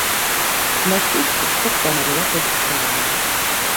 На суткі таксама была падрыхтаваная.